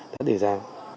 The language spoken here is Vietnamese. đã để ra